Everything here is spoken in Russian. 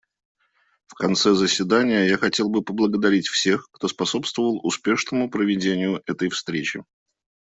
В конце заседания я хотел бы поблагодарить всех, кто способствовал успешному проведению этой встречи.